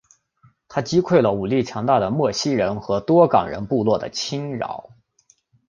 他击溃了武力强大的莫西人和多冈人部落的侵袭。